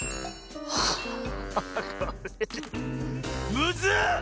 むずっ！